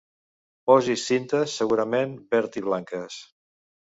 Posis cintes, segurament verd-i-blanques.